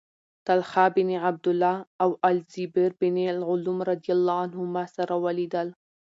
طلحة بن عبد الله او الزبير بن العوام رضي الله عنهما سره ولیدل